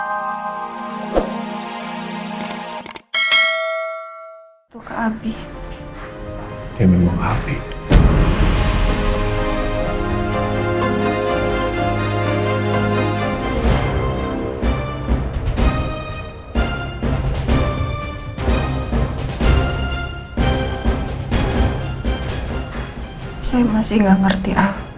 saya butuh bukti